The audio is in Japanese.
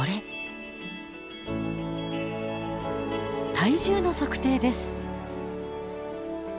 体重の測定です。